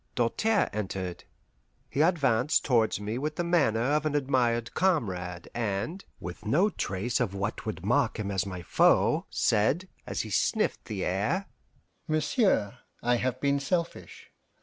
Doltaire entered. He advanced towards me with the manner of an admired comrade, and, with no trace of what would mark him as my foe, said, as he sniffed the air: "Monsieur, I have been selfish.